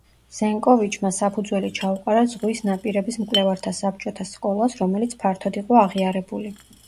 ზენკოვიჩმა საფუძველი ჩაუყარა ზღვის ნაპირების მკვლევართა საბჭოთა სკოლას, რომელიც ფართოდ იყო აღიარებული.